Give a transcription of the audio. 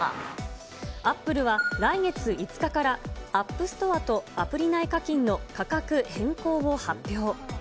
アップルは来月５日から、アップストアとアプリ内踝金の価格変更を発表。